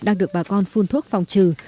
đang được bà con phun thuốc phòng trừ